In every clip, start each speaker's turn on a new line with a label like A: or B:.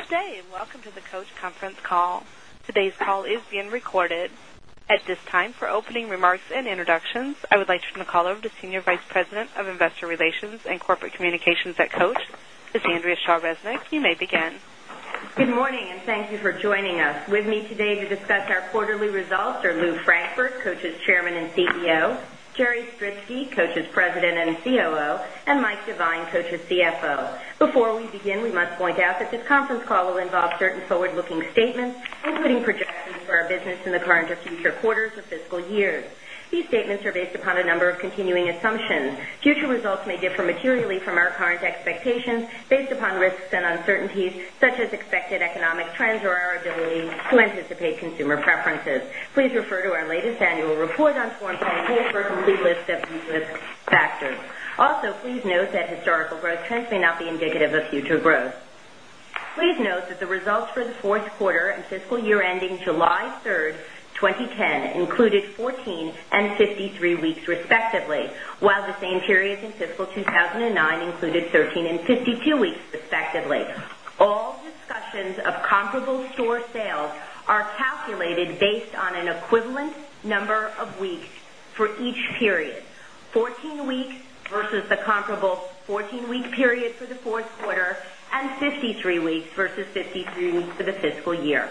A: Good day, and welcome to the Coach Conference Call. Today's call is being recorded. At this time, for opening remarks and introductions, I would like to turn the call over to Senior Vice President of Investor Relations and Corporate Communications at Coach, Ms. Andrea Shaw Resnick. You may begin.
B: Good morning, and thank you for joining us. With me today to discuss our quarterly results are Lou Frankfurt, Coach's Chairman and CEO Jerry Stritzke, Coach's President and COO and Mike Devine, Coach's CFO. Before we begin, we must point out that this conference call will involve certain forward looking statements, including projections for our business in the current or future quarters or fiscal years. These statements are based upon a number of continuing assumptions. Future results may differ materially from our current expectations based upon risks and uncertainties such as expected economic trends or our ability to anticipate consumer preferences. Please refer to our latest annual report on Form 10 K for a complete list of U. S. Factors. Also, please note that historical growth trends may factors. Also, please note
C: that historical growth trends may not be indicative of future growth.
B: Please note that the results for the Q4 fiscal year ending July 3, 2010 included 14 and and 53 weeks, respectively, while the same periods in fiscal 2,009 included 13 52 weeks, respectively. All discussions of comparable store sales are calculated based on an equivalent number of weeks for each period, 14 weeks versus the comparable 14 week period for the Q4 and 53 weeks versus 53 weeks for the fiscal year.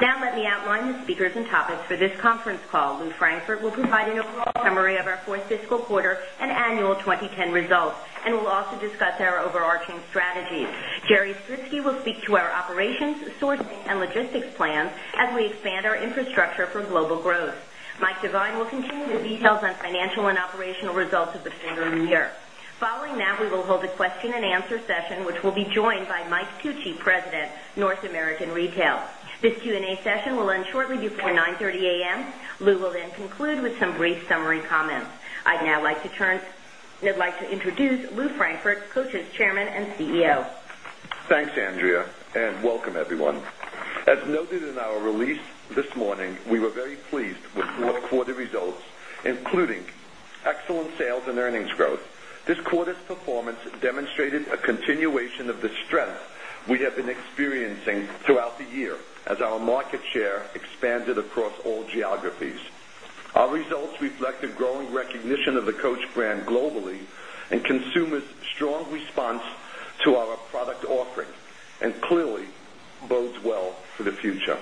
B: Now let me outline the speakers and topics for this conference call. Lou Frankfort will provide an overall summary of our 4th fiscal quarter and annual 2010 results and will also discuss our overarching strategies. Jerry Strutsky will speak to our operations, sourcing and logistics plans as we expand our infrastructure for global growth. Mike Devine will continue the details on financial and operational results of the fiscal year. Following that, we will hold a question and answer session, which will be brief summary comments. I'd now like to turn I'd like to introduce Lou Frankfort, Coache's Chairman and CEO.
D: Thanks, Andrea, and welcome throughout the year as our market share expanded across all geographies. Our results reflect the growing recognition of the Coach brand
C: globally and consumers' strong
D: response to our product offerings and clearly bodes well for the future.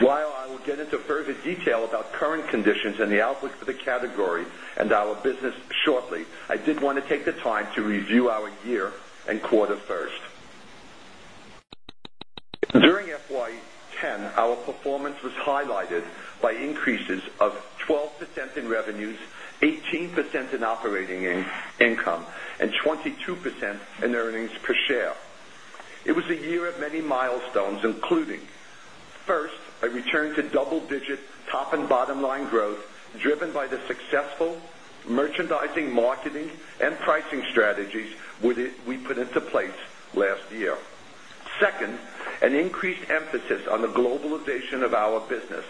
D: While I will get into further detail about current conditions and the outlook for the category and our business shortly, I did want to take the time to review our and quarter first. During FY 'ten, our performance was highlighted by increases of 12% in revenues, 18% in operating income and 22% in earnings per share. It was a year of many milestones including: 1st, a return to double digit top and bottom line growth driven by the successful merchandising, marketing and pricing strategies we put into place last year. 2nd, an increased emphasis on the globalization of our business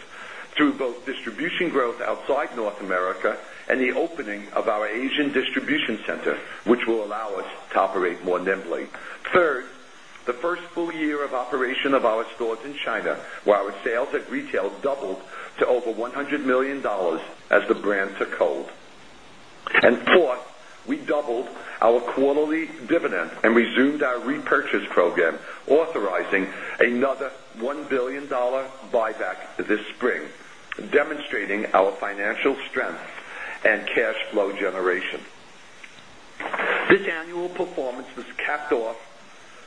D: through both distribution growth outside North America and the opening of our Asian distribution center, which will allow us to operate more nimbly. 3rd, the 1st full year of operation of our stores in China, where our sales and resumed our repurchase program authorizing another $1,000,000,000 buyback this spring off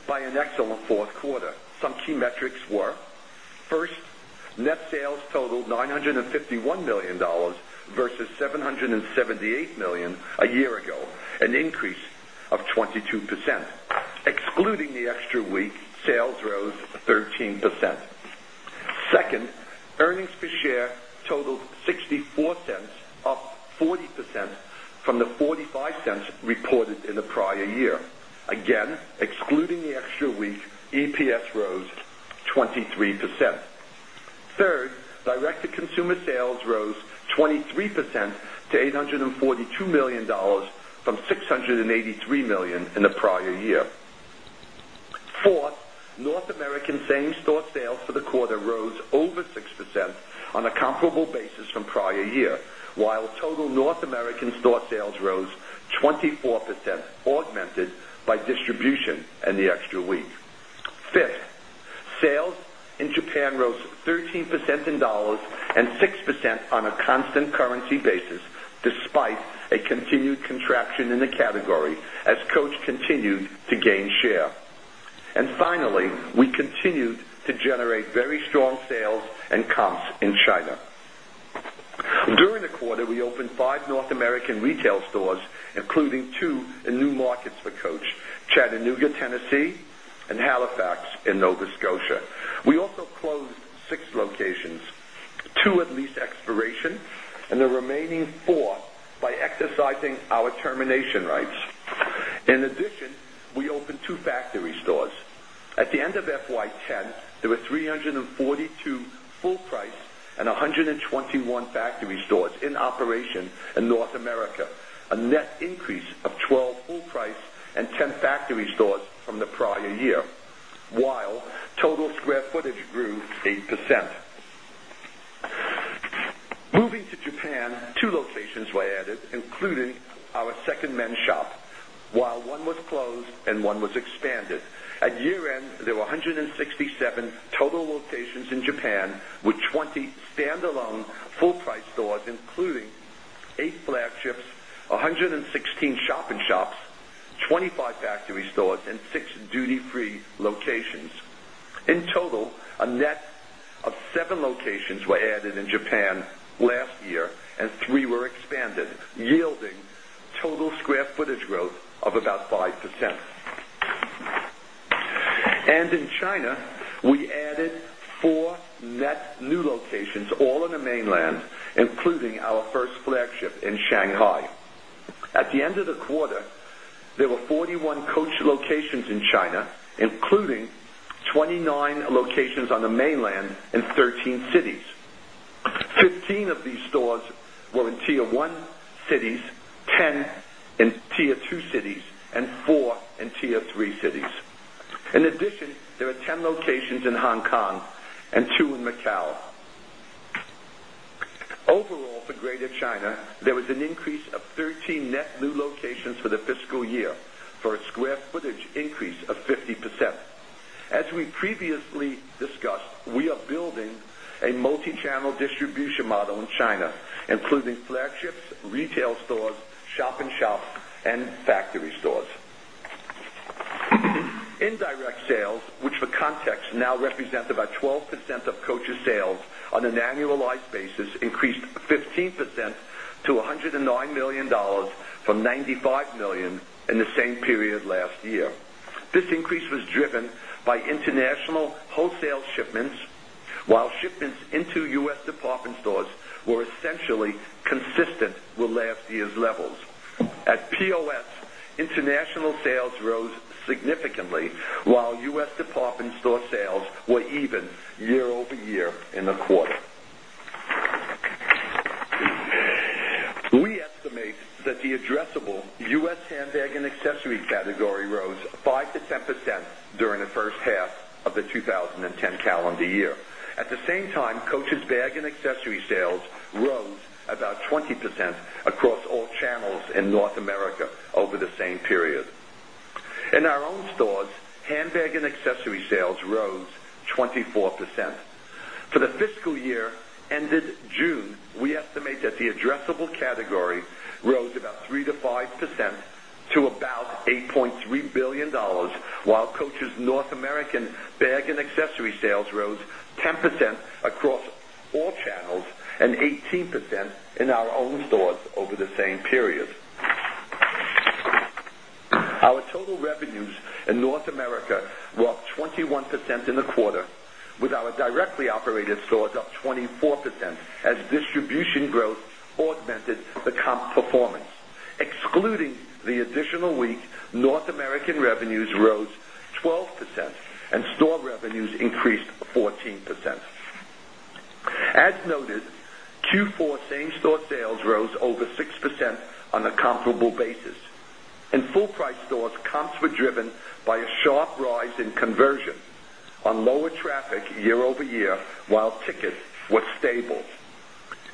D: by an excellent 4th quarter. Some key metrics were: 1st, net sales totaled 9 $51,000,000 versus $778,000,000 a year ago, an increase of 22%. Excluding the extra the dollars reported in the prior year. Again, excluding the extra week, EPS rose 23%. 3rd, direct to consumer sales rose 23 percent to $842,000,000 from $683,000,000 in the prior year. 4th, North American same store sales for the quarter rose over 6% on a distribution and the extra week. 5th, sales in Japan rose 13% in dollars and 6 percent on a constant currency basis despite a continued contraction in the category as Coach continued to gain share. And finally, we continued to generate very strong sales and comps in China. During the quarter, we opened 5 North American retail stores, including 2 in new markets for Coach, Chattanooga, Tennessee and Halifax in Nova Scotia. We also closed 6 locations, 2 at lease expiration and the remaining 4 by exercising our termination rights. In addition, we opened 2 factory stores. At the end of FY 'ten, there were 3 42 full price and 121 factory stores in operation in North America, a net increase of 12 full price and 10 factory stores from the prior year, while total square footage grew 8%. Moving to Japan, 2 locations were added, including our 2nd men's shop, one was closed and one was expanded. At year end, there were 167 total locations in Japan with 20 stand alone full price stores including 8 flagships, 116 shop in shops, 25 Japan last year and 3 were expanded, yielding total square footage growth of about 5%. And in China, we added 4 net new locations all in the Mainland, including our first flagship in Shanghai. At the end of the quarter, there were 41 coach locations in China, including 29 locations on the mainland and 13 cities. 15 of these stores were in Tier 1 cities, in Tier and Tier 3 cities. In addition, there are
C: 10 locations in Hong Kong and 2 in Macau.
D: Overall for Greater China, there was an increase of 13 net new locations for the are building a multi channel distribution model in China, including flagships, retail stores, shop in shops and factory stores. Indirect sales, which for context now represent about 12% of Coach's sales on an annualized basis increased 15% to $109,000,000 from $95,000,000 in the same period last year. This increase was driven by international wholesale shipments, while shipments into U. S. Department stores were essentially consistent with last year's levels. At POS, international sales rose significantly while U. S. Department store sales were even year over year in the quarter. We estimate that the addressable U. S. Handbag and accessory bag and accessory sales rose about 20% across all channels in North America over the same period. In our own stores, handbag and accessory sales rose 24%. For the fiscal year ended June, we estimate that the addressable category rose about 3% to 5% to about 8 point $3,000,000,000 while Coach's North American bag and accessory sales rose 10% across channels and 18% in our own stores over the same period. Our total revenues in North America were up 21% in the quarter with our directly operated stores up 24% as distribution growth augmented the comp performance. Excluding the additional week, North American revenues rose 12% and store revenues increased 14%. As noted, Q4 same store sales rose over 6% on a year, while ticket was stable.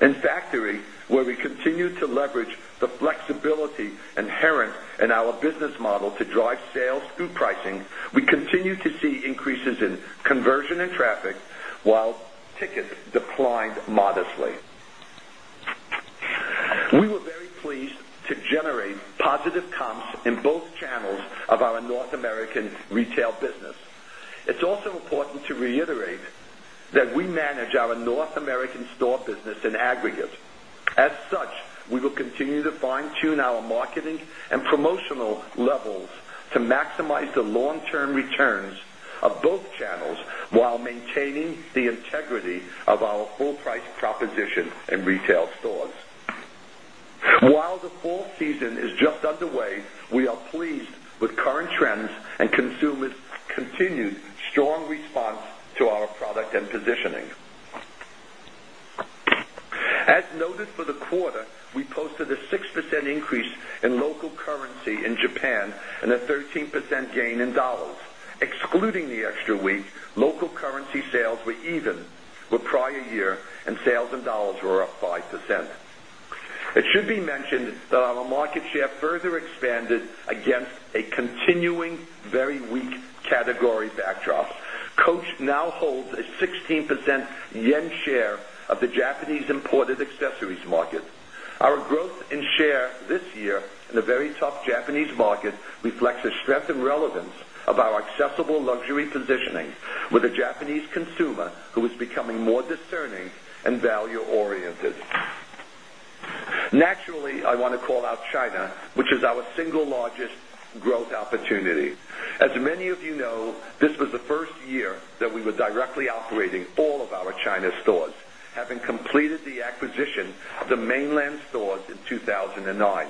D: In factory, where we continue to leverage the flexibility inherent in our business model to drive sales through pricing, we continue to see increases in conversion and traffic, while ticket declined modestly. We were very pleased to generate positive comps in both channels of our North American retail business. It's also important to reiterate that we manage our North American store business in aggregate. As such, we will continue to fine tune our marketing and promotional levels to maximize the long term returns of both channels while maintaining the integrity of our full price proposition in retail stores. While the fall season is just underway, we are pleased with current trends and consumers' continued strong response to our product positioning. As noted for the quarter, we posted a 6% increase in local currency in Japan and a 13% gain in dollars. Excluding the extra week, local currency sales were even with prior year and sales a imported accessories market. Our growth in share this year in a very tough Japanese market reflects the strength and relevance of our accessible luxury positioning with a Japanese consumer who is becoming more discerning and value oriented. Naturally, I want to call out China, which is our single largest growth opportunity. As many of you know, this was the 1st year that we were directly operating all of our China stores, having completed the acquisition of the Mainland stores in 2,000 and 9.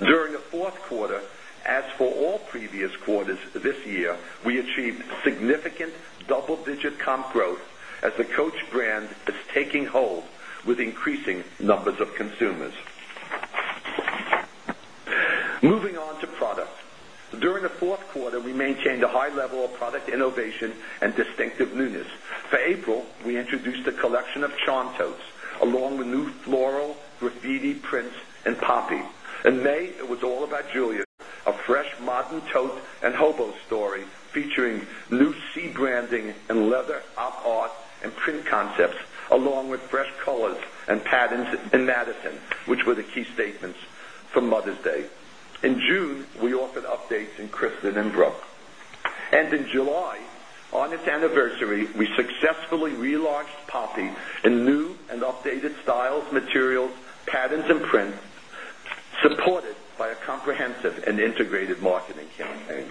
D: During the Q4, as for all previous quarters this year, we achieved significant double digit comp growth as the Coach brand is taking hold with increasing numbers of consumers. Moving on to products. During the Q4, we maintained a high level of product innovation and distinctive newness. For April, introduced a collection of charm totes along with new floral, graffiti prints and poppy. In May, it was all about Julia, a fresh modern tote and hobo story featuring loose C branding and leather, op art and print concepts along with fresh colors and patterns in Madison, which were the key statements for Mother's Day. In June, we offered updates in Kristen and Brooke. And in July, on its anniversary, we successfully relaunched Poppy in new and updated styles, materials, patterns and prints supported by a comprehensive and integrated marketing campaign.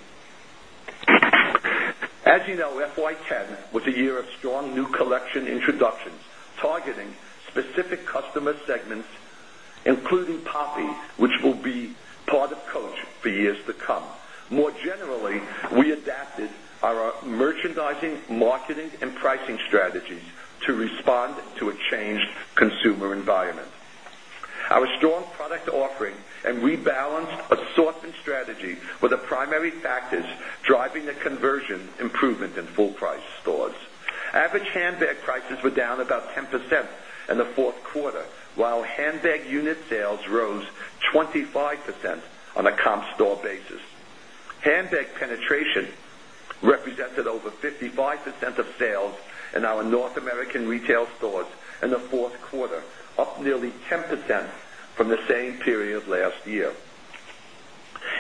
D: As you know, FY 'ten was a year of strong new collection introductions targeting specific customer segments, including Poppy, which will be part of Coach for years to come. More generally, we adapted our merchandising, marketing and pricing strategies to respond to a changed consumer environment. Our strong product offering and rebalanced assortment strategy were the primary factors driving the conversion improvement in full price stores. Average handbag prices were down about 10% in the 4th quarter, while handbag unit sales rose 25% on a comp store basis. Handbag penetration represented over 55% of sales in our North American retail stores in the 4th quarter, up nearly 10% from the same period last year.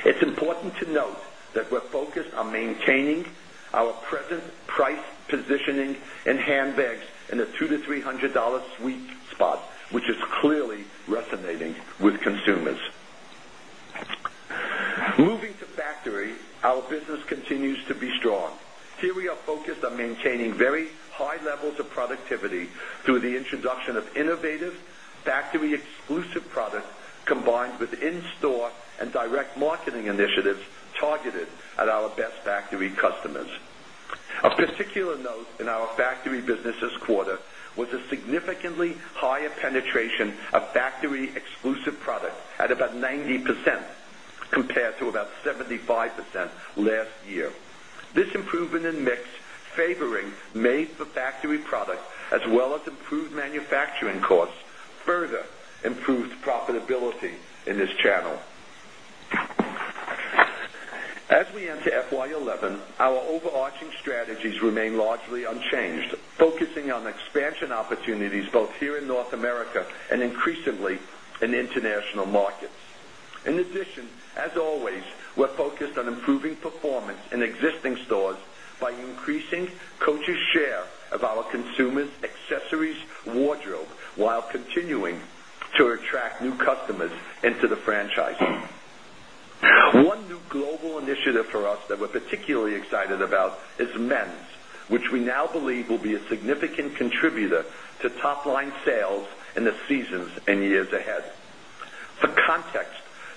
D: It's important to note that we're focused on maintaining our present price positioning in handbags in the $200 to $300 sweet spot, which is clearly resonating with consumers. Moving to factory, our business continues to be strong. Here we are focused on maintaining very high levels of productivity through the introduction of innovative factory exclusive product combined with in store and direct marketing initiatives targeted at our best factory customers. Of particular note in our factory business this quarter was a significantly higher penetration of factory exclusive products at about 90% compared to about 75% last year. This improvement in mix favoring made for factory products as well as improved manufacturing costs further improved profitability in this channel. As we enter FY 2011, our overarching strategies remain largely unchanged, focusing on expansion opportunities both here in North America and increasingly in international markets. In addition, as always, we're focused on improving performance in existing stores by increasing Coach's share of our consumers' accessories wardrobe while continuing to attract new customers into the franchise. One new global initiative for us that we're particularly excited about is men's, which we now believe will be a significant contributor to top line sales in the seasons and years ahead. For context,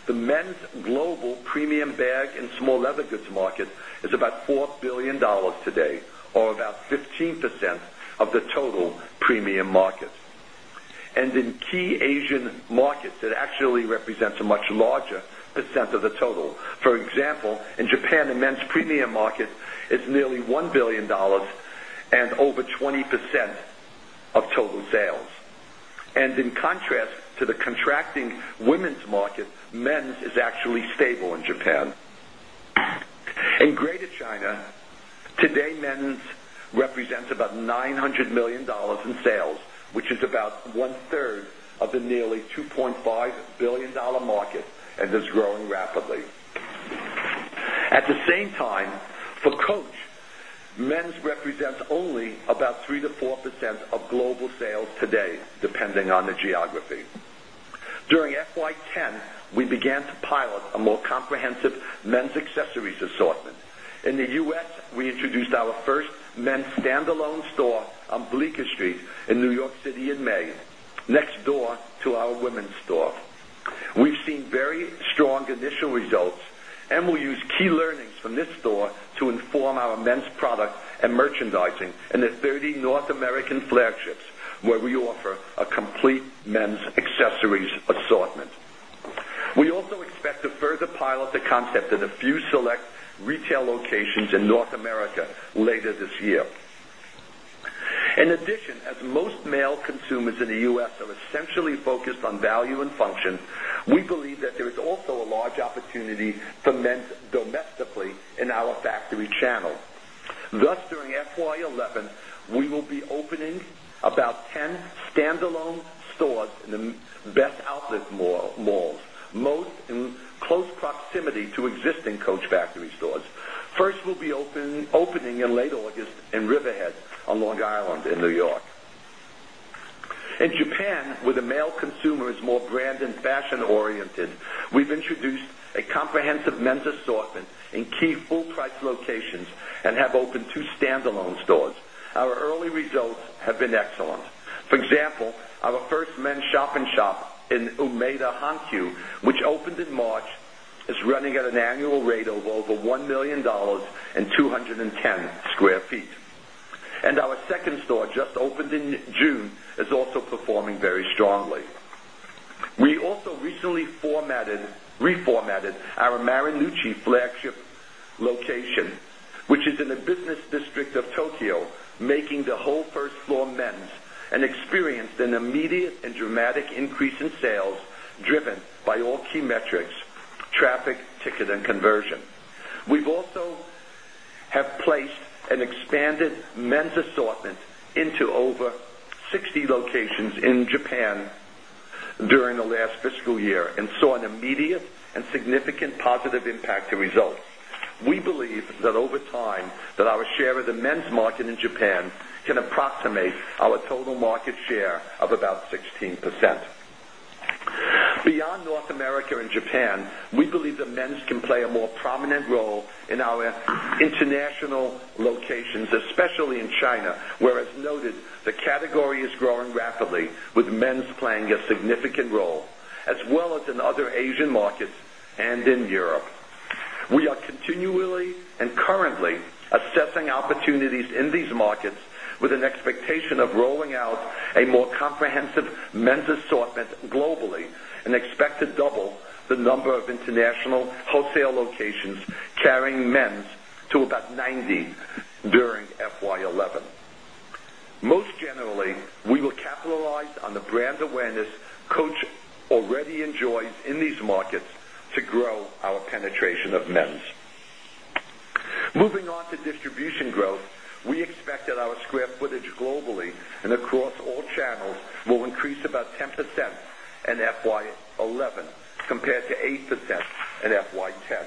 D: the men's global premium bag and small leather goods market is about $4,000,000,000 today or about percent of the total. For example, in Japan, the men's premium market is nearly $1,000,000,000 and over 20% of total sales. And in contrast to the contracting women's market, men's is actually stable in Japan. In Greater China, today men's represents about $900,000,000 in sales, which is about 1 third of the nearly $2,500,000,000 market and is growing rapidly. At the same time, for Coach, men's represents only about 3% to 4% of global sales today depending on the geography. During FY 'ten, we began to pilot a more comprehensive men's accessories assortment. In the U. S, we introduced our first men's standalone store on Bleecker Street in New York City in May, next door to our women's store. We've seen very strong initial results and we use key learnings from this store to inform our men's product and merchandising in the 30 North American locations in North America later this year. In addition, as most male consumers in the U. S. Are essentially S. Are essentially focused on value and function, we believe that there is also a large opportunity to commence domestically in our factory channel. Thus during FY 'eleven, we will be opening about 10 standalone stores in the best outlet malls, most in Japan, where In Japan, where the male consumers more brand and fashion oriented, we've introduced
E: a
D: been excellent. For example, our 1st men shop in shop in Umeda, Han Kyu, which opened in March is running at an annual rate of over $1,000,000 2.10 Square Feet. And our second store just opened in June is also performing very strongly. We also recently reformatted our Maranlucci flagship location, which is in the business district of Tokyo making the whole 1st floor men's and experienced an immediate and dramatic increase in sales driven by all key metrics traffic, ticket and conversion. We've also have placed an expanded men's assortment into over 60 locations in Japan during the last fiscal year and saw an immediate and significant positive impact to results. We believe that over time that our share of the men's market in Japan can approximate our total market share of about 16%. Beyond North America and Japan, we believe that men's can play a more prominent role in our international locations, especially in China, where as noted the category is growing rapidly with men's playing a significant role as well as in other Asian markets and in Europe. We are continually and currently assessing opportunities in these markets with an expectation of rolling out a more comprehensive men's assortment globally and expect to to we will capitalize on the brand awareness Coach already enjoys in these markets to grow our penetration of men's. Moving on to distribution growth, we expect that our square footage globally and across all channels will increase about 10% in FY2011 compared to 8% in FY 2010.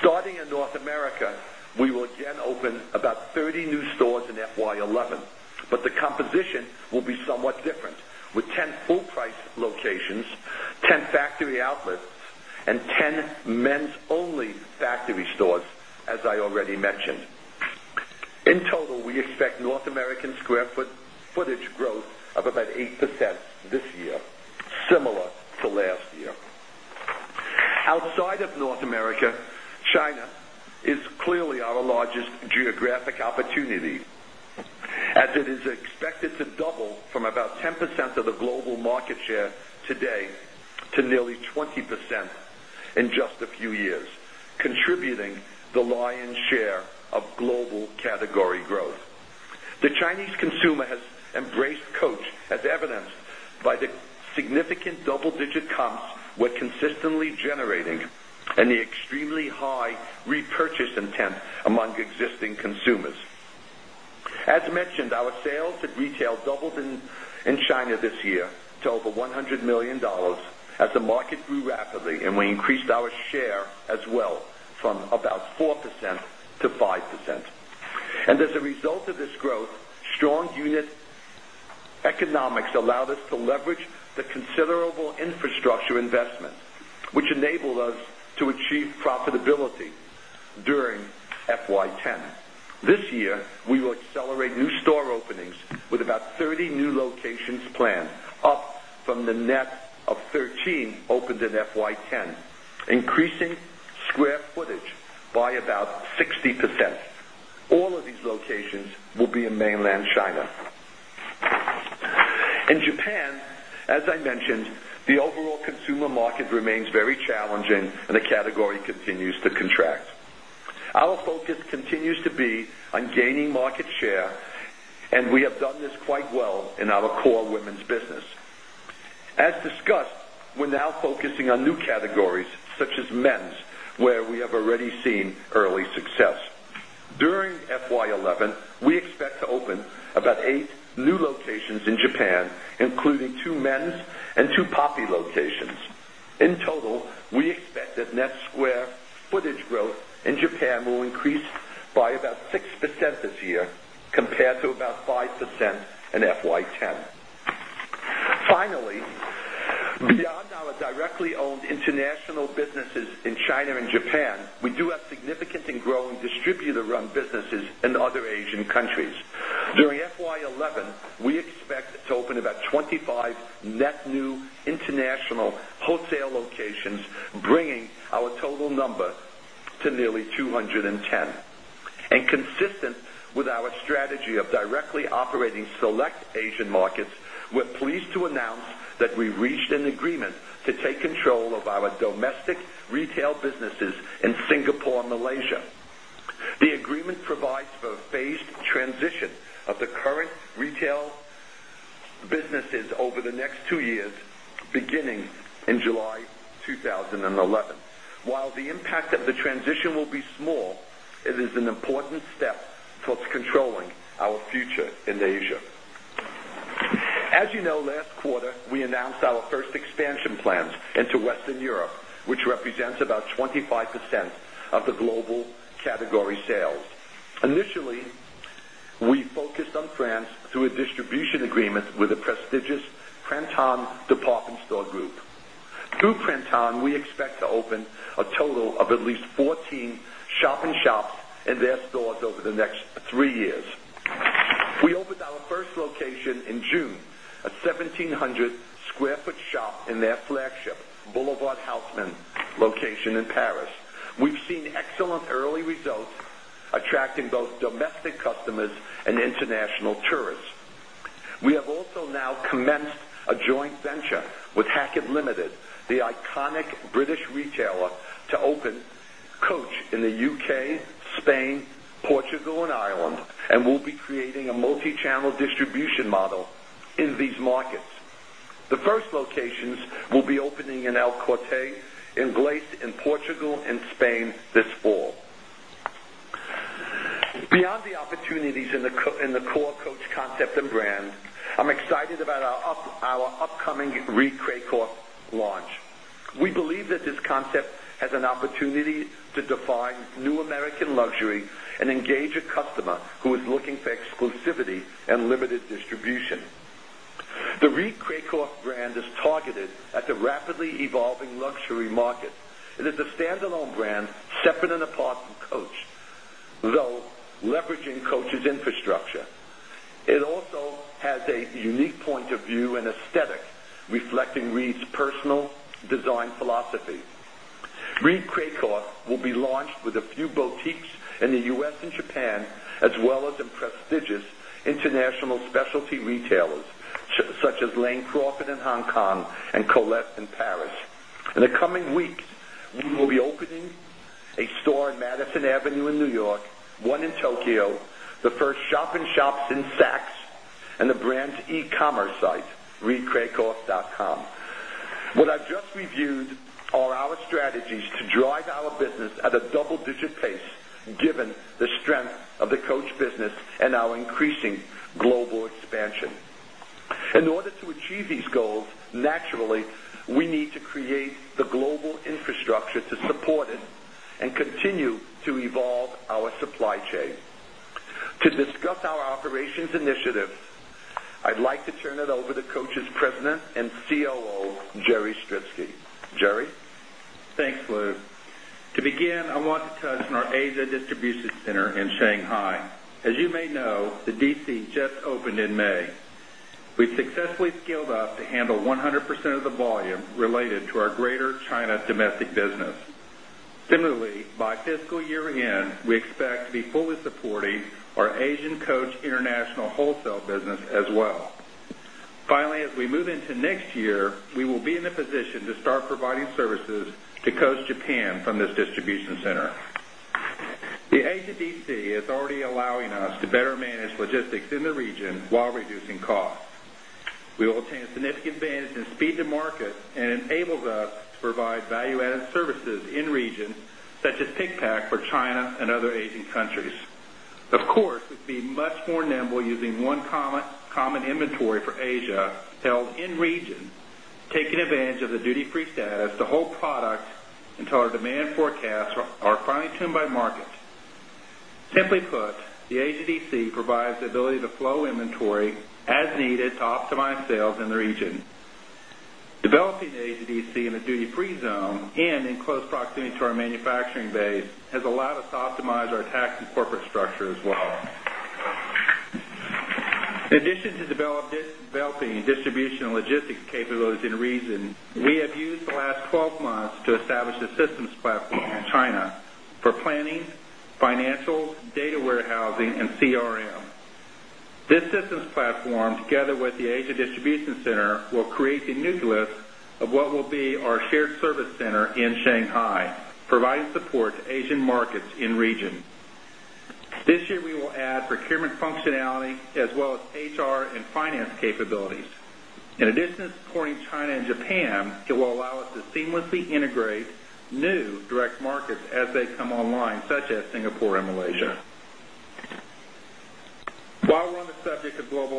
D: Starting in North America, we will again open about 30 new stores in FY 2011, but the composition will be somewhat different with 10 full price locations,
F: 10
D: American square footage growth of about 8% this year, similar to last year. Outside of North America, China is clearly our largest geographic opportunity as it is expected to double from about 10% of the global market share today to nearly 20% in just a few years, as evidenced by the significant double digit comps we're consistently generating and the extremely high repurchase intent among existing consumers. As mentioned, our sales at retail doubled in China this year to over $100,000,000 as the market grew rapidly and we increased our share as well from about 4% 5%. And as a result of this growth, strong unit economics allowed us to leverage 'ten. This year, we will accelerate new store openings with about 30 new locations planned, up from the net of 13 opened in FY 'ten, increasing square footage by about 60%. All of these locations will be in Mainland China. In Japan, as I mentioned, the overall consumer market remains very challenging and the category continues to to As During FY 2011, we expect to open about 8 new locations in Japan, including 2 men's and 2 Poppy locations. In total, we expect that net square footage growth in Japan will increase by about 6 Finally, beyond our directly owned international businesses in China and Japan, we do have significant and growing distributor run businesses in other Asian countries. During FY 2011, we expect to open about 25 net new international wholesale locations, bringing our total number to nearly 210. And consistent with our strategy of directly operating select Asian markets, we're pleased to announce that we reached an agreement to take control of our domestic retail businesses in in over the next 2 years beginning in July 2011. While the impact of the transition will be small, it is an important step towards controlling our future in Asia. As you know, last quarter, we announced our first expansion plans into Western Europe, which represents about 25% of the global category sales. Initially, we focused on France through a distribution agreement with the prestigious PrintOn department store group. Through PrintOn, we expect to open a total of at least 14 shop in shops in their stores over the next 3 years. We opened our first location in June, a 1700 Square Foot Shop in their flagship Boulevard Houseman location in Paris. We've seen excellent early K, Spain, Portugal and Ireland and we'll be creating a multi channel distribution model in these markets. The the opportunities in the core Coach concept and brand, I'm excited about our upcoming Reed Craycorp launch. We believe that this concept has an opportunity to define new American luxury and engage a customer who is looking for exclusivity and limited distribution. The Reed Kraykoff brand is targeted at the rapidly evolving luxury market. It is a standalone brand separate and apart from Coach, though leveraging Coach's infrastructure. Also has a unique point of view and aesthetic reflecting Reed's personal design philosophy. Reed Cray Craycaw will be launched with a few boutiques in the U. S. And Japan as well as in prestigious international specialty retailers such as Lane Crawford in Hong Kong and Colette in Paris. In the coming weeks, we will be opening a store in Madison Avenue in New York, 1 in Tokyo, the first shop in shops in Saks and the brand's e commerce site reekrachecost.com. What I've just reviewed are our strategies to drive our business at a double digit pace given the strength of the Coach business and our increasing global expansion. In order to achieve these goals, naturally, we need to create the the to turn it over to Coach's President and COO, Jerry Stritzke.
F: Jerry? Thanks, Lou. To begin, I want to touch on our Asia distribution center in Shanghai. As you may know, the DC just opened in May. We successfully scaled up to handle 100 percent of the volume related to our Greater China domestic business. Similarly, by fiscal year end, we expect to be fully supporting our Asian Coach International Wholesale business as well. Finally, as we move into next year, we will be in a position to start providing services to Coast Japan from this distribution center. The Asia DC is already allowing us to better manage logistics in the region while reducing costs. We will obtain significant advantage in speed to market and enables us to provide value added services in regions such as PigPack for China and other Asian countries. Of course, we'd be much more nimble using one common inventory for Asia held in region taking advantage of the duty free status to hold products until our demand forecasts are finely tuned by market. Simply put, the AGDC provides the ability to flow inventory as needed to optimize sales in the region. Developing AGDC in the duty free zone and in close proximity to our manufacturing base has allowed us optimize our tax and corporate structure as well. In addition to developing distribution and logistics capabilities in Reason, we have used the last 12 months to establish a systems platform in China for planning, financials, data warehousing and CRM. This systems platform together with the Asia Distribution Center will create the nucleus of what will be our shared service center in Shanghai providing support to Asian markets in region.
G: This year, we will
F: add procurement functionality as well as HR and finance capabilities. In addition to supporting China and Japan, it will allow us to seamlessly integrate new direct markets as they come online such as Singapore and Malaysia.
E: While we're on the subject of global
F: China,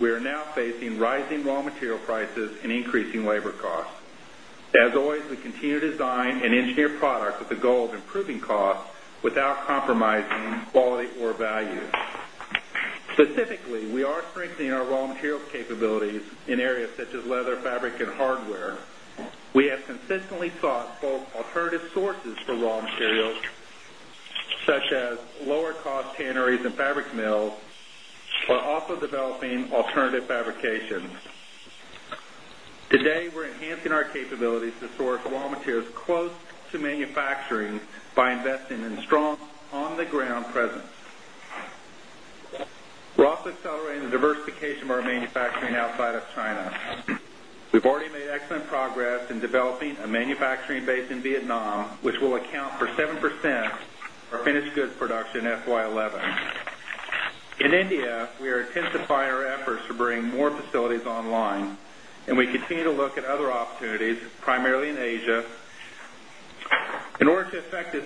F: we are now facing rising raw material prices and increasing labor costs. As always, we continue to design and engineered product with the goal of improving costs without compromising quality or value. Specifically, we are strengthening our raw materials leather, fabric and hardware. We have consistently sought both alternative sources for raw materials such as lower cost tanneries and fabric mills, while also developing alternative fabrications. Today, we're enhancing our capabilities to source the raw materials close to manufacturing by investing in strong on the ground presence. We're also accelerating the diversification of our manufacturing outside of China. We've already made excellent progress in developing a manufacturing base in Vietnam, which will account for 7%
C: of our
F: finished goods production in FY2011. In India, we are intensifying our efforts to bring more this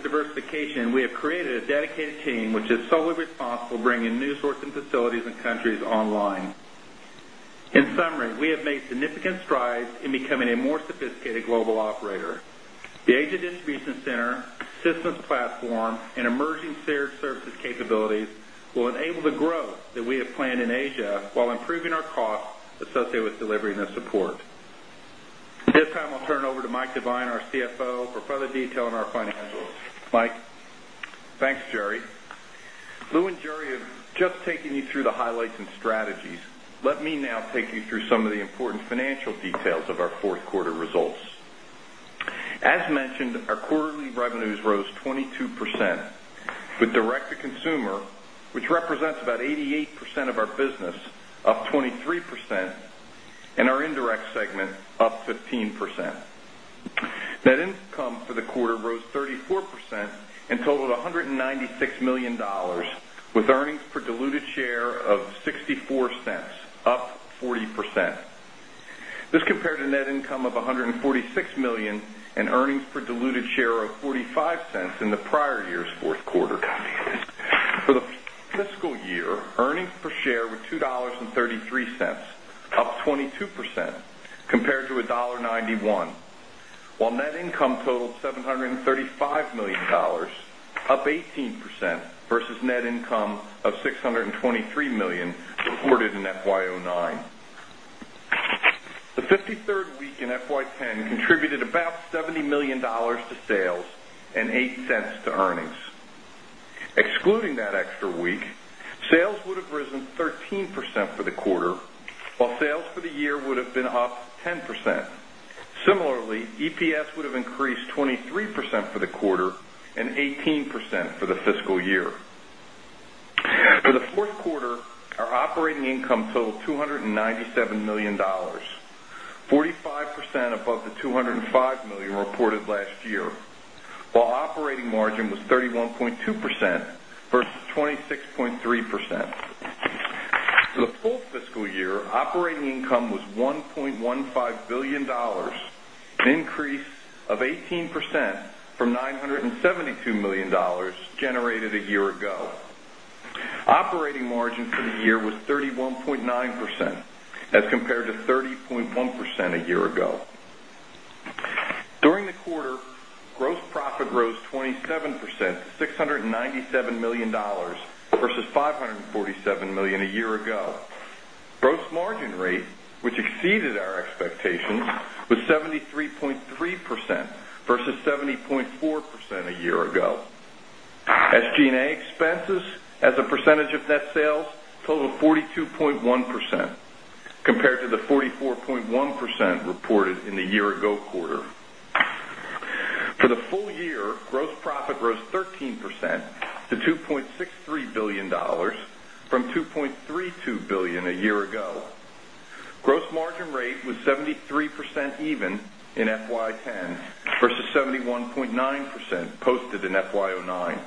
F: diversification, we have created a dedicated team which is solely responsible bringing new sourcing facilities in countries online. In summary, we have made significant strides in becoming a more sophisticated global operator. The Asia Distribution Center, systems platform and emerging services capabilities will enable the growth that we have planned in Asia while improving our costs associated with delivering the support. At this time, I'll turn it over to Mike Devine, our CFO for further detail on our financials.
E: Mike? Thanks, Jerry. Lou and Jerry have just taken you through the highlights and strategies. Let me now take you through some of the important financial details of our 4th quarter results. As mentioned, our quarterly revenues percent and our indirect segment up 15%. Net income for the quarter rose 30 4% and totaled $196,000,000 with earnings per diluted share of $0.64 up 40%. This compared to net income of $146,000,000 and earnings per diluted share of $0.45 in the prior year's Q4. For the fiscal year, earnings per share were $2.33 up 22 percent compared to $1.91 while net income totaled $735,000,000 up 18% versus net income of $623,000,000 reported in FY 'nine. The 53rd week in FY 'ten contributed about $70,000,000 to sales and $0.08 to earnings. Excluding that extra week, sales would have risen 13% for the quarter, while sales for the year would have been up 10%. Similarly,
D: EPS would
E: have increased 23% for the quarter 18% for the fiscal year. For the 4th quarter, our operating income totaled 290 $7,000,000 45 percent above the $205,000,000 reported last year, while operating margin was 31.2 percent versus 26.3 percent.
D: For the
E: full fiscal year, operating income was $1,150,000,000 an increase of 18% from $972,000,000 generated a year ago. Operating margin for the year was 31.9 percent as compared to 30.1 percent a year ago. During the ago. Gross margin rate, which exceeded our expectations, was 73.3% versus 70.4 percent a year ago. SG and A expenses as a percentage of net sales totaled 42.1% compared to the 44.1 reported in the year ago quarter. For the full year, gross profit rose 13% to $2,630,000,000 from $2,320,000,000 a year ago. Gross margin rate was 73 percent even in FY 'ten versus 71.9 percent posted in FY 'nine.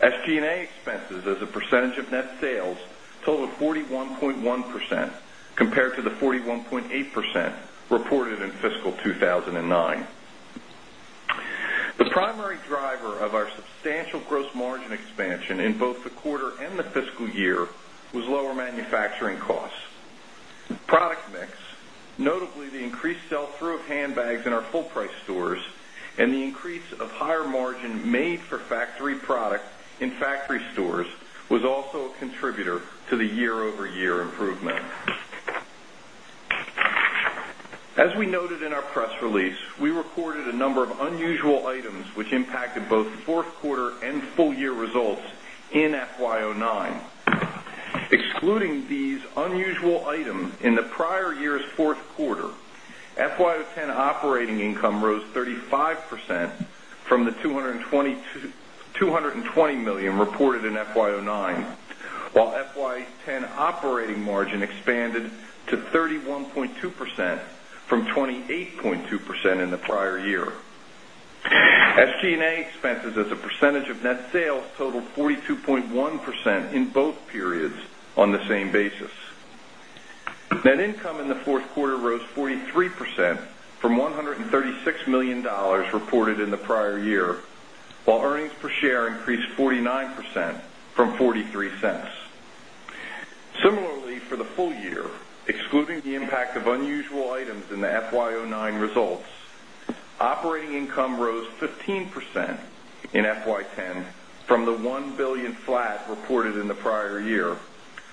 E: SG and A expenses as a percentage of net sales totaled 41.1% compared to the 41.8% reported in fiscal 2,009. The primary driver of our substantial gross margin expansion in both the quarter and the fiscal year was lower
C: was lower manufacturing costs. Product mix, notably the increased
E: sell through of handbags in our full price stores and the increase of higher margin made for factory products in factory stores was also a contributor to the year over year improvement. As we noted in our press release, we reported a number of unusual items which impacted both 4th quarter and full year results in FY 'nine. Excluding these unusual items in the prior year's Q4, FY 'ten operating income rose 35% from the $220,000,000 reported in FY 'nine, while FY 'ten operating margin expanded to 31.2% from 28.2% in the prior year. SG and A expenses as a percentage of net sales totaled 42.1 percent in both periods on the same basis. Net income in the 4th quarter rose 43 in FY 'nineteen results, operating income rose 15% in FY 'ten from the $1,000,000,000 flat reported in the prior year,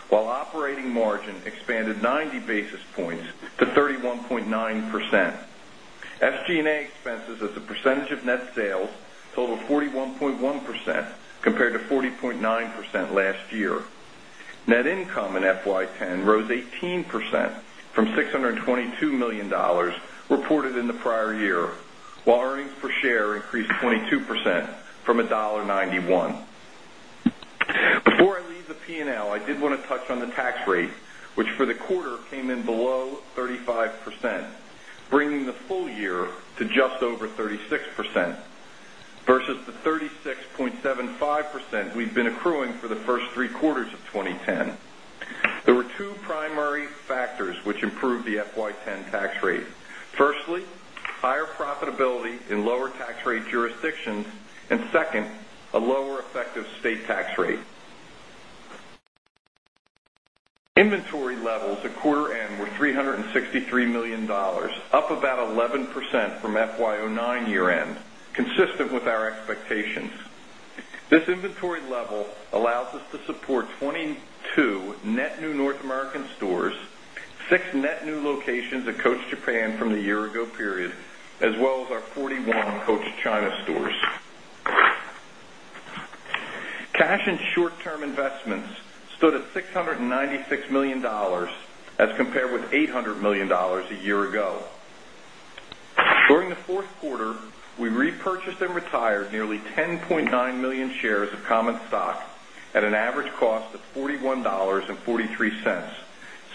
E: while operating margin expanded 90 basis points to 31.9%. SG and A expenses as a
D: a
E: Net income in FY 'ten rose 18% from $622,000,000 reported in the prior year, while earnings per the quarter came in below 35%, bringing the full year to just over 36% versus the 36.7 5% we've been accruing for the 1st 3 quarters of 2010. There were 2 primary factors which improved the FY10 tax rate. Firstly, higher profitability in lower tax rate jurisdictions and second, a lower effective state tax rate. Inventory levels at quarter end were $363,000,000 up about 11% from FY 'nine year end consistent with our expectations. This inventory level allows us This inventory level allows us to support 22 net new North American stores, 6 net new locations at Coach Japan from the year ago period as well as our 41 Coach China stores. Cash and short term investments stood at 6.90 $6,000,000 as compared with $800,000,000 a year ago. During the Q4, we repurchased and retired nearly 10,900,000 shares of common stock at an average cost of $41.43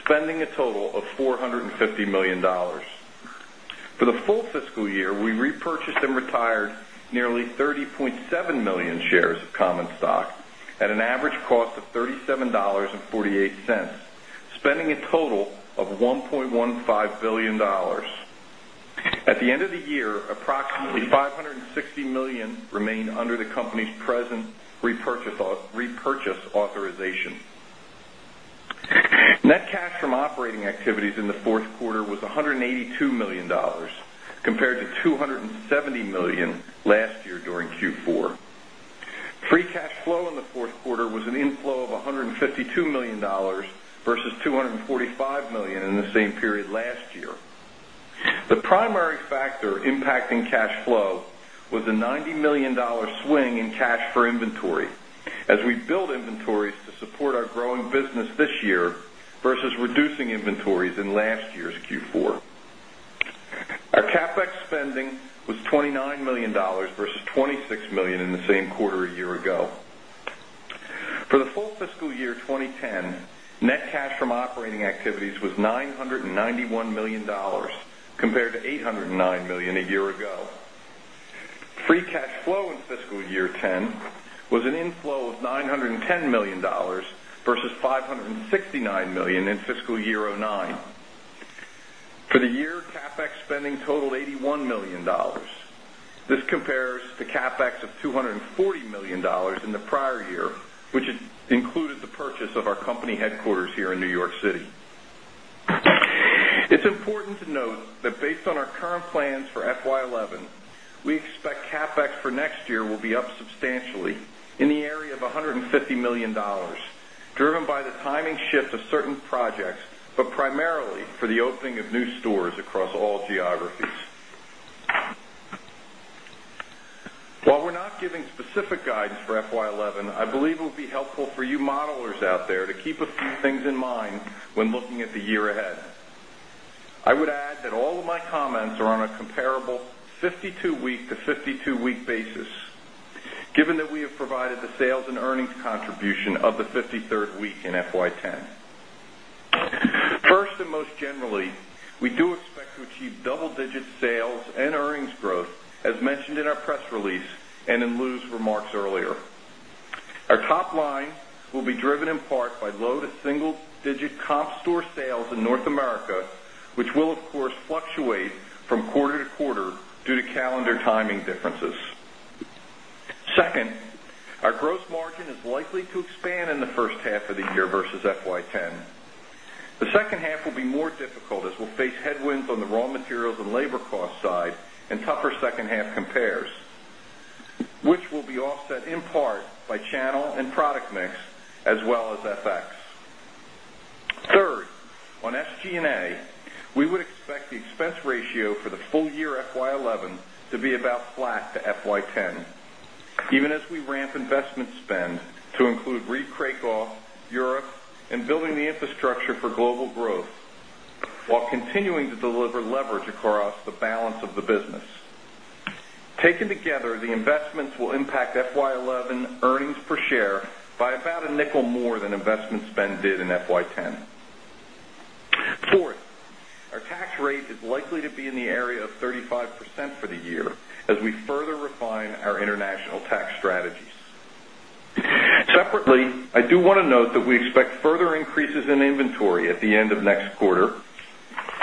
E: spending a total of $450,000,000 For the full fiscal year, we repurchased and retired nearly 30.7 1,000,000 shares of common stock at an average cost of $37.48 spending a total of 1 $150,000,000 At the end of the year, approximately $560,000,000 remained under the company's present repurchase authorization. Net cash from operating activities in the 4th quarter was 182,000,000 dollars compared to $270,000,000 last year during Q4. Free cash flow in the 4th quarter was an inflow of 100 $52,000,000 versus $245,000,000 in the same period last year. The primary factor impacting cash flow was a $90,000,000 swing in cash for inventory as we build inventories to support our growing business this year versus reducing inventories in last year's Q4. Our CapEx spending was 29,000,000 dollars versus $26,000,000 in the same quarter a year ago. For the full fiscal year Free cash flow in fiscal year 'ten was an inflow of $910,000,000 versus 569,000,000 in fiscal year 'nine. For the year, CapEx spending totaled $81,000,000 This compares to CapEx of $240,000,000 in the prior year, which included the purchase of our company headquarters here in New York City. It's important to note that based on our current plans for FY 2011, we expect CapEx for next year will be up substantially in the area of $150,000,000 driven by the timing shift of certain projects, primarily for the opening of new stores across all geographies. While we're not giving specific guidance for FY11, I believe it will be helpful for you modelers out there to keep a few things in mind when looking at the year ahead. I would add that all of my comments are on a comparable 52 week to 52 week basis, given that we have provided the sales and earnings of the 53rd week in FY 'ten. 1st and most generally, we do
C: expect to
E: achieve double digit sales and earnings growth as mentioned in our press release and in Lou's remarks earlier. Our top line will be driven in part by low to will be more difficult as we'll face headwinds on the raw materials and labor cost side and tougher second half compares, which will be offset in part by channel and product mix as well as FX. 3rd, on SG and A, we would expect the expense ratio for the full year FY 2011 to be about flat to FY 2010. Even as we ramp investment spend to include REIT Cracow, Europe and building the infrastructure for global growth, while continuing to deliver leverage across balance of the business. Taken together, the investments will impact FY 2011 earnings per share by about a nickel more than investment spend did in FY
D: 'ten. 4th,
E: our tax rate is likely to be in the area of 35% for the year as we further refine our international tax strategies. Separately, I do want to note that we expect further increases in inventory at the end of next quarter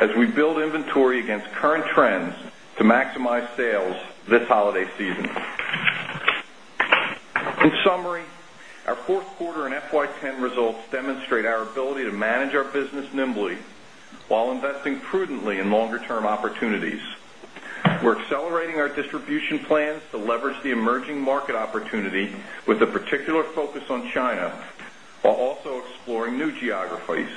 E: as we build inventory against current trends to maximize sales this holiday season. In summary, our 4th quarter
F: and FY 'ten results demonstrate
E: our ability to manage our business nimbly while investing prudently in longer term opportunities. We're accelerating our distribution plans to leverage the emerging market opportunity with a particular focus on China, also exploring new geographies,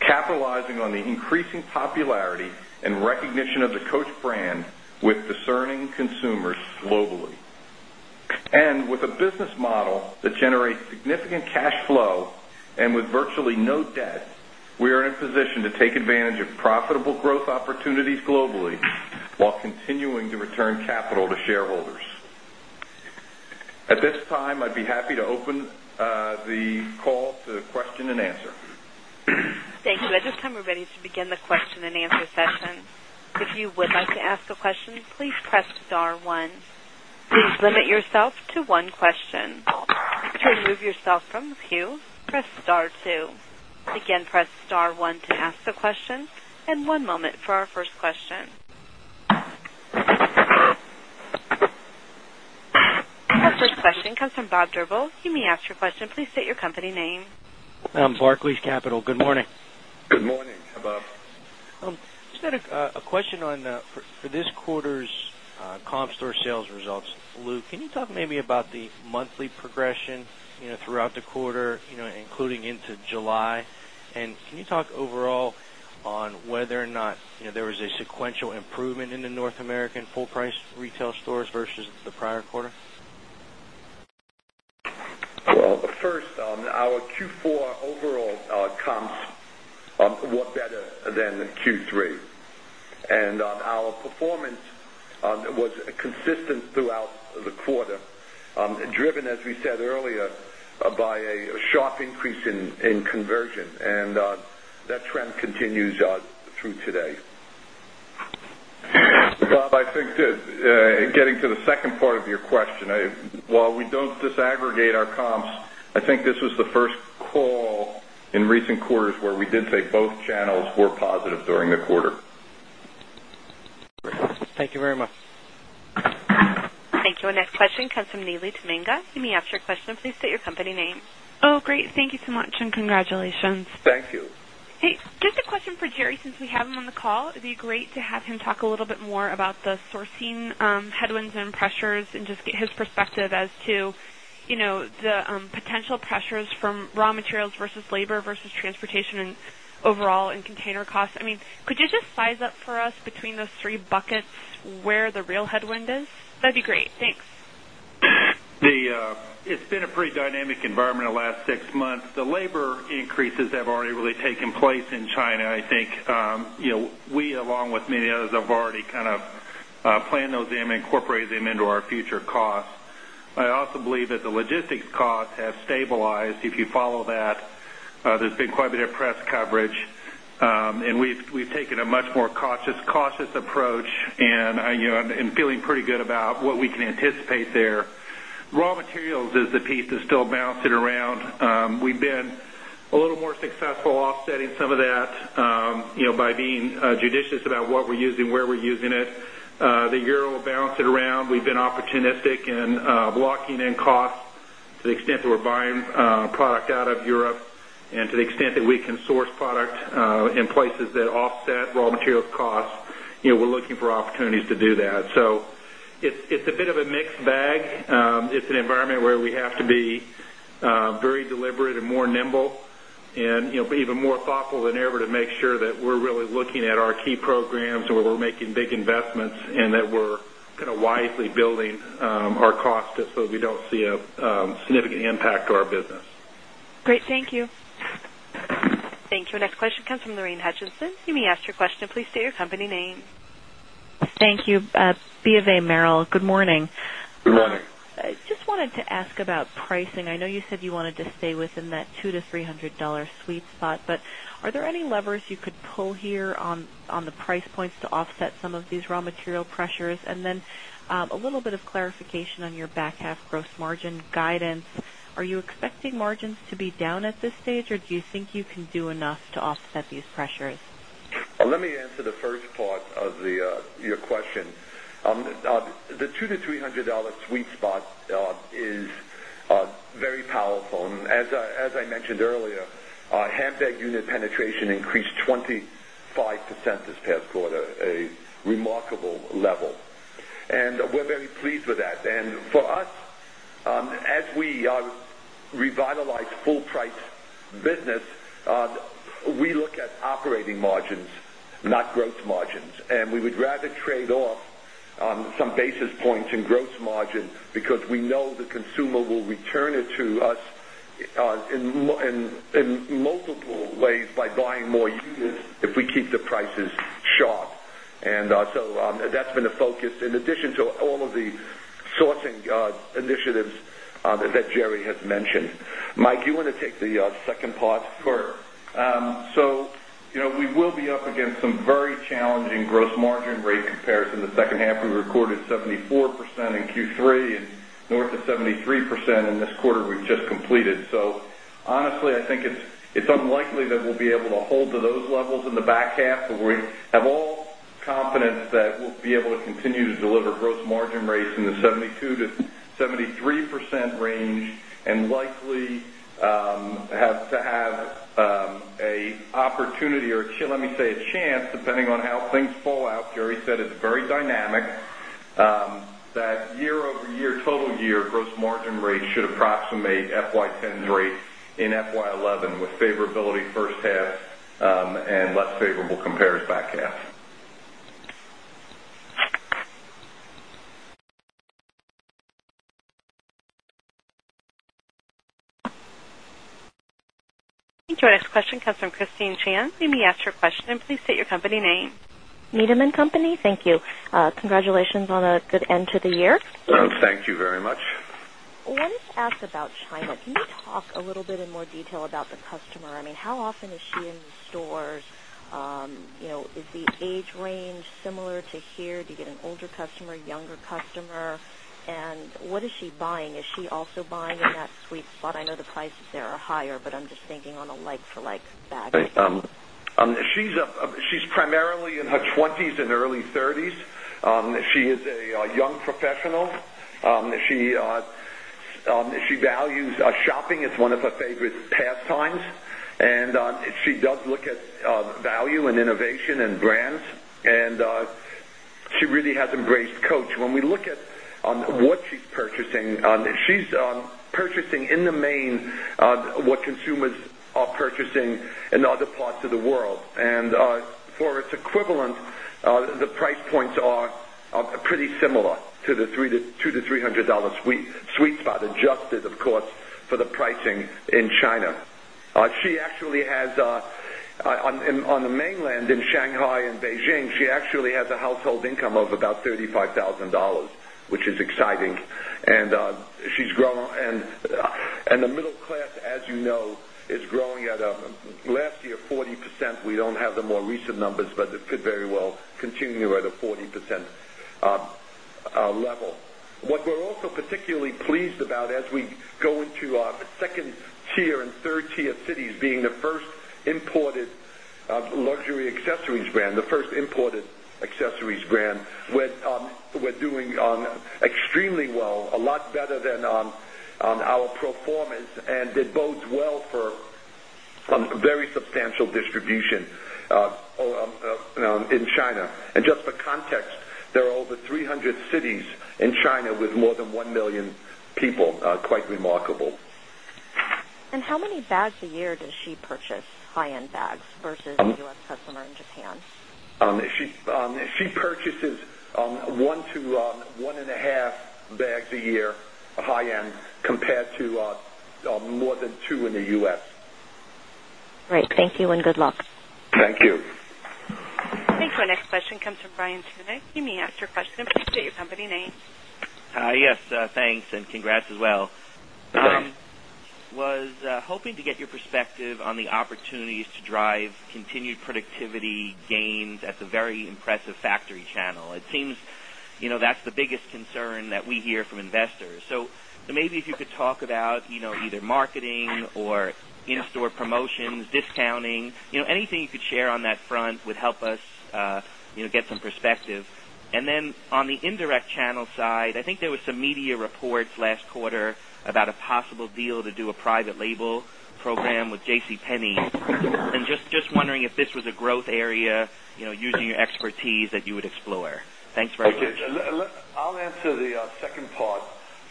E: capitalizing on the increasing popularity and recognition of the Coach brand with discerning consumers globally. And with a business model that generates significant cash flow and with virtually no debt, we are in a position to take advantage of profitable growth opportunities globally while continuing to return capital to shareholders. At this time, I'd be happy to open the call to question and answer.
A: Thank you. At this time, we're ready to begin the question
H: Barclays Capital. Good morning.
E: Good morning. Hi, Bob.
H: Just had a question on for this quarter's comp store sales results. Luke, can you talk maybe about the monthly progression throughout the quarter including into July? And can you talk overall on whether or not there was a sequential improvement in the North American full price retail stores versus the prior quarter?
D: Well, first, our Q4 overall comps were better than Q3. And our performance was consistent throughout the quarter, driven as we said earlier by a sharp increase in conversion and that trend continues through today.
E: Bob, I think getting to the second part of your question, while we don't disaggregate our comps, I think this was the first call in recent quarters where we did say both channels were positive during the quarter.
I: Great. Thank you very much.
A: Thank you. Our next question comes from Nili Tamanga. You may ask your question. Please state your company name.
C: Great. Thank you so much and congratulations.
E: Thank you.
A: Just a question for Jerry since we have him
C: on the call. It would be great to have him talk a little bit more about the sourcing headwinds and pressures and just get his perspective as to the potential pressures from raw materials versus labor versus transportation
F: It's been a pretty dynamic environment in the last 6 months. The labor increases have already really taken place in China. I think we along with many others have already kind of planned those and incorporated them into our future costs have stabilized. If you follow that, there's been quite a bit of press coverage. And we've taken a much more cautious approach and feeling pretty good about what we can anticipate there. Raw materials is the piece that's still bouncing around. We've been a little more successful offsetting some of that by being judicious about what we're using, where we're using it. The euro will bounce it around. We've been opportunistic extent that we can source product in places that offset raw material costs, we're looking for opportunities to do that. So it's a bit of a mixed bag. An environment where we have to be very deliberate and more nimble and even more thoughtful than ever to make sure that we're really looking at our key programs and we're making big investments and that we're kind of wisely building our cost, so we don't see a significant impact to our business.
A: Great. Thank you. Thank you. Our next question comes from Lorraine Hutchinson. You may ask your question. Please state your company name. Thank you. BofA Merrill, good morning.
E: Good morning.
C: Just wanted to ask about pricing. I know you said you wanted to stay within that $200 to $300 sweet spot, but are there any levers you could pull here on the price points to offset some of these raw material pressures? And then a little bit of clarification on your back half gross margin guidance. Are you expecting margins to be down at this stage? Or do you think you can do enough to offset these pressures?
D: Let me answer the first part of your question. The $200 to $300 sweet spot is very powerful. And as I mentioned earlier, handbag unit penetration increased 25% this past quarter, a remarkable level. And we're very pleased with that. And for us, as we revitalize full price business, we look at operating margins, not gross margins. And we would rather trade off some basis points in gross margin because we know the consumer will return it to us in multiple ways by buying more units if we keep the prices sharp. And so that's been the focus. In addition to all of the sourcing initiatives that Jerry has mentioned. Mike, you want
E: to take the second part? Sure. So we will be up against some very challenging gross margin rate compares in the second half. We recorded 74% in Q3 north of 73% in this quarter we've just completed. So honestly, I think it's unlikely that we'll be able to hold to those levels in the back half, but we have all confidence that we'll be able to continue to deliver gross margin rates in the 72% to say
D: a
E: say a chance depending on how things fall out. Jerry said it's very dynamic that year over year total year gross margin rate should approximate FY 'ten rate in FY11 with favorability first half and less favorable compares back half.
A: Your next question comes from Christine Chan. You may ask your question and please state your company name.
C: Needham and Company, thank you. Congratulations on a good I wanted to ask about China. Can you talk a little bit in more detail about the customer? I mean, how often is she in the stores? Is the age range similar to here? Do you get an older customer, younger customer? And what is she buying? Is she also buying in that sweet spot? I know the prices there are higher, but I'm just thinking on a like for like
D: bag. She's primarily in her 20s early 30s. She is a young professional. She values shopping. It's one of her favorite pastimes. And she does look at value and innovation and brands. And she really has embraced coach. When we look at what she's purchasing, she's purchasing in the main what consumers are purchasing in other parts of the world. And for its equivalent, the actually has on the mainland in Shanghai, actually has on the mainland in Shanghai and Beijing, she actually has a household income of about $35,000 which is exciting. And she's grown and the middle class as you know is growing at last year 40%. We don't have the more recent numbers, but it fit very well continuing at a 40% level. What we're also particularly pleased about as we go into the 2nd tier and third tier cities being the 1st imported luxury accessories brand, the first imported accessories brand, we're doing extremely well, a lot better than our performance and it bodes well for very substantial distribution in China. And just for context, there are over 300 cities in China with more than 1,000,000 people, quite remarkable.
C: And how many bags a year does she purchase high end bags versus U. S. Customer in Japan?
D: She purchases 1 to 1.5 bags a year high end compared to more than 2 in the
C: U. S.
A: Our next question comes from Brian Cunick. You may ask your question. Please state your company name.
I: Yes, thanks and congrats as well. I was hoping to get your perspective on the opportunities to drive continued productivity gains at the very impressive factory channel. It seems that's the biggest concern that we hear from investors. So maybe if you could talk about either marketing or store promotions, discounting, anything you could share on that front would help us get some perspective. And then on the indirect channel side, I think there were some media reports last quarter about a possible deal to do a private label program with JCPenney. And just wondering if this was a growth area, your expertise that you would explore? Thanks very much.
D: I'll answer the second part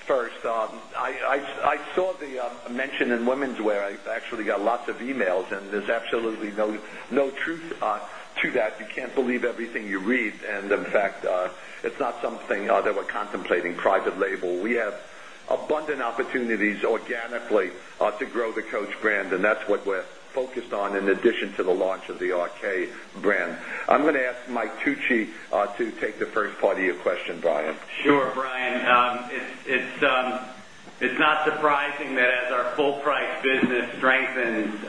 D: first. I saw the mention in women's wear. Actually got lots of e mails and there's absolutely no truth to that. You can't believe everything you read. And in fact, it's not something that we're contemplating private label. We have abundant opportunities organically to grow the Coach brand and that's what we're focused on in addition to the launch of the RK brand. I'm going to ask Mike Tucci to take the first part of your question, Brian.
G: Sure, Brian. It's not surprising that as our full price business strengthens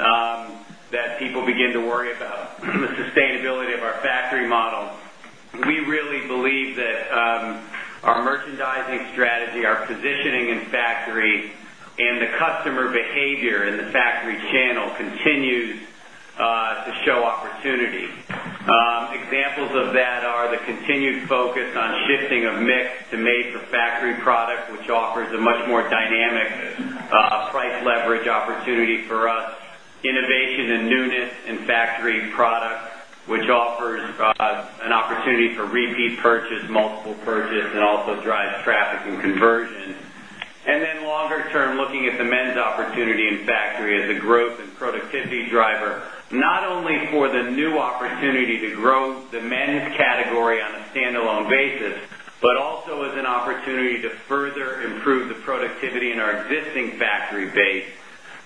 G: that people begin to worry about the sustainability of our factory model. We really believe that our merchandising strategy, our positioning in factory and the customer behavior in the factory channel continues to show opportunity. Examples of that are the continued focus on shifting of mix to make the factory product, which offers a much more dynamic price leverage opportunity for us, innovation and newness in factory products, which offers an opportunity for repeat purchase, multiple purchase and also drives traffic and conversion. And then longer term looking at the men's opportunity in factory as a growth and productivity driver, not only for the new opportunity to grow the men's category on a standalone basis, but also as an opportunity to further improve the productivity in our existing factory base,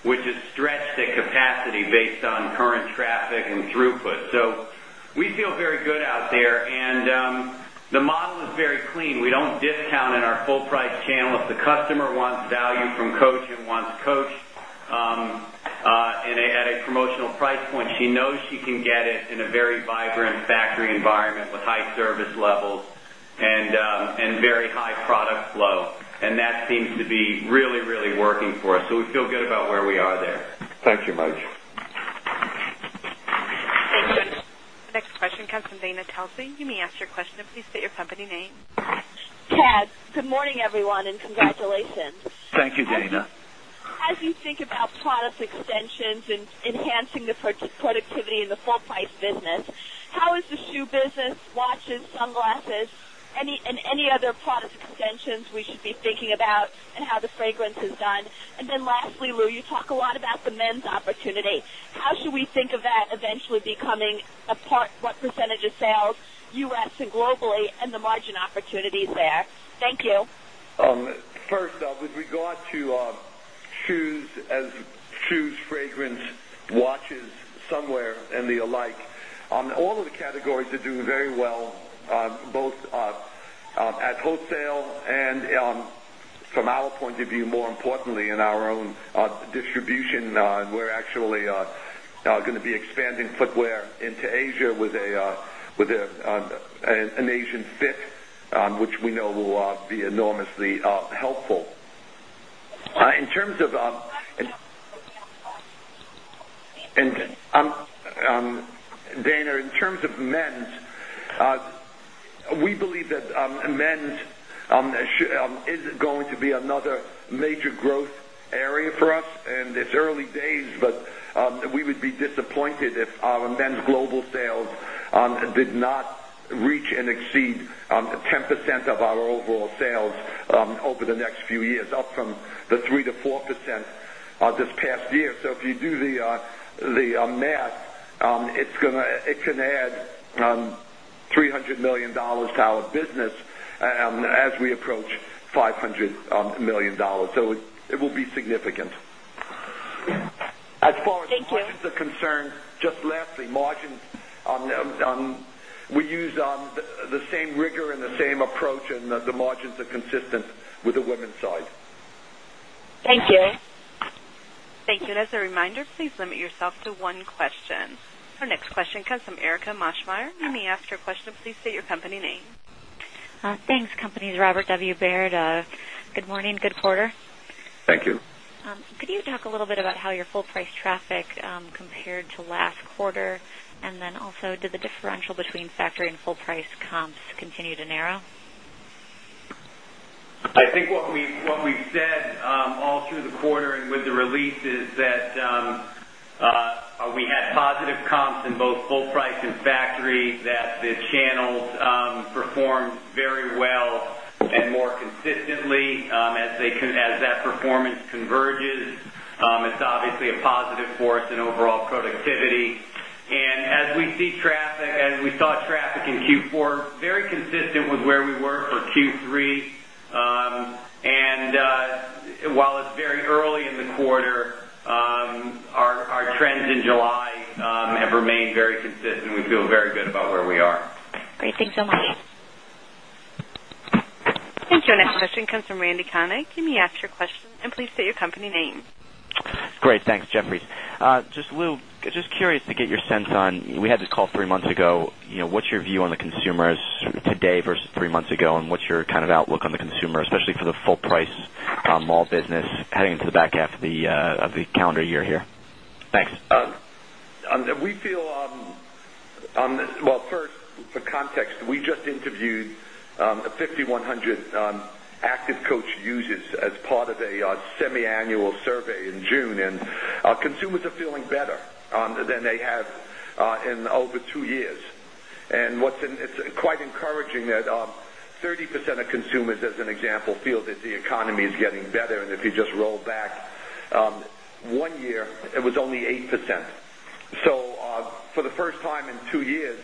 G: which has stretched the capacity based on current traffic and throughput. So we feel very good out there and the model is very clean. We don't discount in our full price channel if the customer wants
D: wants Coach
G: at a promotional price point. She knows she can get it in a very vibrant factory environment with high service levels and very high product flow. And that seems to be really, really working for us. So we feel good about where we are there.
D: Thank you, Mike.
C: Thank you.
A: The next question comes from Dana Telsey. You may ask Please state your company name.
J: Chad, good morning everyone and congratulations.
D: Thank you, Dana.
J: As you think about product extensions and enhancing the productivity in the full price business, how is the shoe business, watches, sunglasses and other product extensions we should be thinking about and how the fragrance is done? And then lastly, Lou, you talk a lot about the men's opportunity. How should we think of that eventually becoming a part what percentage of sales U. S. And globally and the margin opportunities there? Thank you.
D: First off, with regard to shoes as shoes, fragrance, watches, somewhere and the alike, all of the categories are doing very well, both at own own distribution, we're actually going to be expanding footwear into Asia with an Asian fit, which we know will be enormously helpful. In terms of Dana, in terms of men's, believe that men's is going to be another major growth area for us and it's early days, but we would be disappointed if our men's global sales did not reach and exceed 10% of our overall sales over the next few years, up from the 3% to 4% this past year. So if you do the math, it's going to it can add $300,000,000 to our business as we approach 500,000,000 dollars So it will be significant. Thank you. As far as margins are concerned, just lastly, margins, we use the same rigor and the same approach and the margins are consistent with the women's side.
A: Thank you. Thank you. Our next question comes from Erika Moschmeyer. You may ask your question, please state your company name.
C: Thanks. Company is Robert W. Baird. Good morning, good quarter.
D: Thank you.
C: Could you talk a little bit about how your full price traffic compared to last quarter? And then also did the differential between factory and full price comps continue to narrow?
G: I think what we've said all through the quarter and with the release is that we had positive comps in both Full Price and Factory that the channels performed very well and more consistently as that performance converges. It's obviously a positive for us in overall productivity. And as we see traffic as we saw traffic in Q4, very consistent with where we were for Q3. And while it's very early in the quarter, our trends in July have remained very consistent. We feel very good about where we are.
A: Great. Thanks Our next question comes from Randy Konik. You may ask your question and please state your company name.
K: Just Lou, just curious to get your sense on we had this call 3 months ago, what's your view on the consumers today versus 3 months ago and what's your kind of outlook on the consumer especially for the full price mall business heading into the back half of the calendar year here? Thanks.
D: We feel on well, first for context, we just interviewed the 5,100 Active Coach users as part of a semi annual survey in June and consumers are feeling better than they have in over 2 years. And what's in it's quite encouraging that 30% of consumers as an example feel that the economy is getting better and if you just roll back 1 year it was only 8%. So for the first time in 2 years,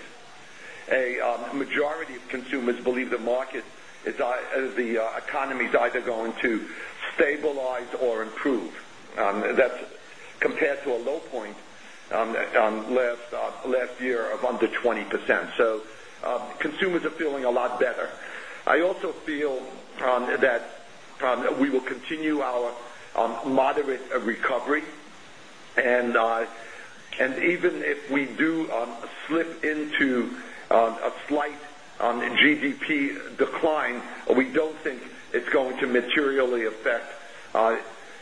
D: a majority of consumers believe the market as the economy is either going to stabilize or improve. That's compared to a low point last year of under 20%. So consumers are feeling a lot better. I also feel that we will continue recovery. And even if we do slip into a slight GDP decline, we don't think it's going to materially affect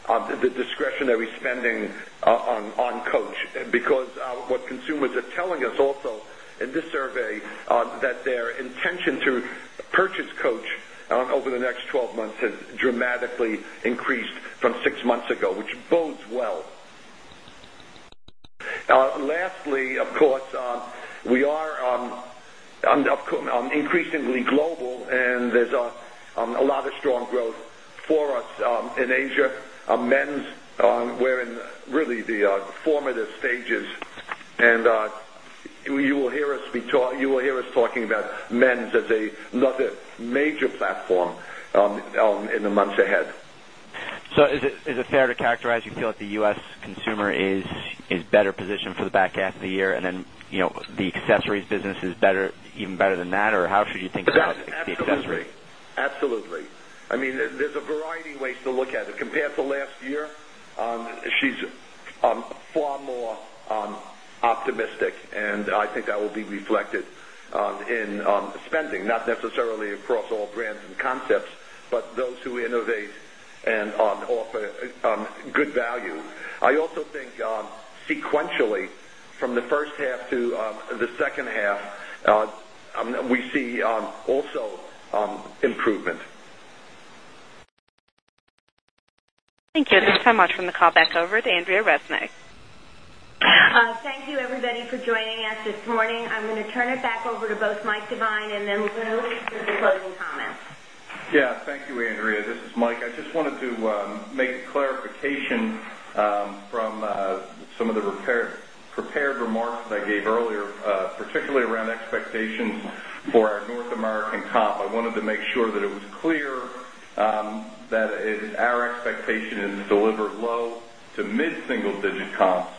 D: the discretionary spending on Coach because what consumers are telling us also in this survey that their intention to purchase Coach over the next 12 months has dramatically increased from 6 months ago, which bodes well. Lastly, of course, we are increasingly really the formative stages and you will hear us talking about men's as another major platform in the months ahead. So is it fair to
K: characterize you feel that the U. S. Consumer is better positioned for the back half of the year and then the accessories business is better even better than that or how should you think about the accessories?
D: Absolutely. I mean there's a variety of ways to look at it. Compared to last year, she's far more optimistic and I think that will be reflected in spending, not necessarily across all brands and concepts, but those who innovate and offer good value. I also think sequentially from the first half to the second half, we see also improvement.
A: Thank you. Thanks so much. I'll now turn the call back over to Andrea Resnick.
B: Thank you everybody for joining us this
F: Thank you, everybody,
C: for joining us this morning. I'm going to turn it back over to both Mike Devine and then Lunely for the closing comments. Yes.
G: Thank you, Andrea.
E: This is Mike. I just wanted to make clarification from some of the prepared remarks that I gave earlier, particularly around expectations for our North American comp, I wanted to make sure that it was clear that our expectation is to deliver low to mid single digit comps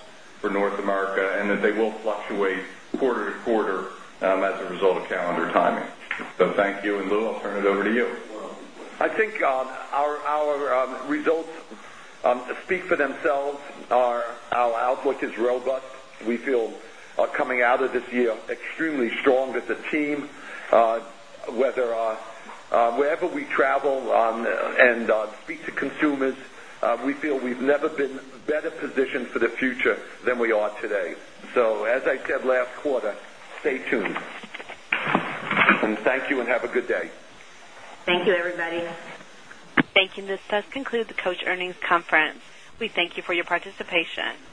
E: for North America and that they will fluctuate quarter to quarter as a result of calendar timing. So thank you. And Lou, I'll turn it over to you.
D: I think our results speak for themselves. Our outlook is robust. We feel coming out of this year extremely strong as a team, whether wherever we travel and speak to consumers, we feel we've never been better positioned for the future than we are today. So as I said last quarter, stay tuned. And thank you and have a good day.
B: Thank you,
A: everybody. Thank you. This does conclude the Coach earnings conference. We thank you for your participation.